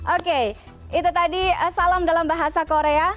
oke itu tadi salam dalam bahasa korea